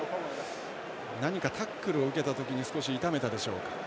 何かタックルを受けた時に少し痛めたでしょうか。